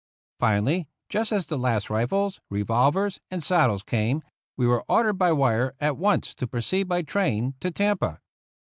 Finally, just as the last rifles, revolvers, and saddles came, we were ordered by wire at once to proceed by train to Tampa.